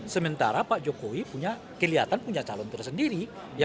sementara pak jokowi punya kelihatan punya calon tersendiri